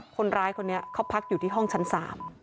คนร้ายคนนี้เขาพักอยู่ที่ห้องชั้น๓